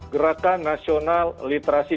gerakan nasional literasi